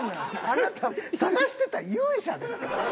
あなた探してた勇者ですか？